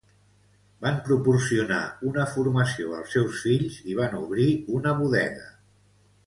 Van proporcionar una formació als seus fills i van obrir una bodega.